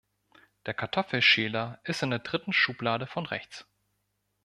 Der Kartoffelschäler ist in der dritten Schublade von rechts.